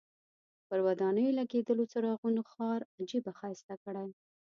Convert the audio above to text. پر ودانیو لګېدلو څراغونو ښار عجیبه ښایسته کړی.